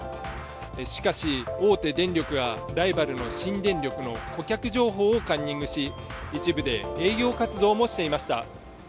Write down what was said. しかし、大手電力がライバルの新電力の顧客情報をカンニングし、一部で営業活動もしていました。